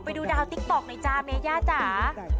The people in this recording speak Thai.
ไปดูดาวติ๊กต๊อกหน่อยจ้าเมย่าจ๋า